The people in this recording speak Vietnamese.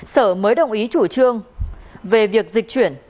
sở mới đồng ý chủ trương về việc dịch chuyển